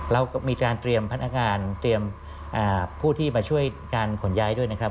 เรามีการเตรียมพนักงานเตรียมผู้ที่มาช่วยการขนย้ายด้วยนะครับ